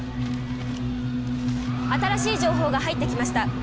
新しい情報が入ってきました。